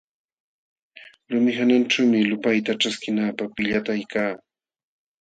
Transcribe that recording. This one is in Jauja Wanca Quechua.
Lumi hananćhuumi lupayta ćhaskinanapq pillatayka.